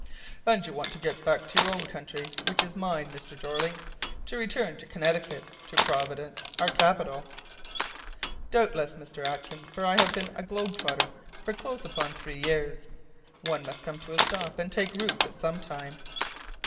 "And you want to get back to your own country, which is mine, Mr. Jeorling; to return to Connecticut, to Providence, our capital." "Doubtless, Mr. Atkins, for I have been a globe trotter for close upon three years. One must come to a stop and take root at some time."